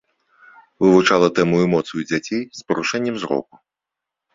Вывучала тэму эмоцый у дзяцей з парушэннем зроку.